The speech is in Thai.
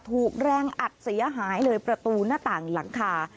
ถูกแรงอัดเสียหายเลยประตูหน้าต่างหลังคา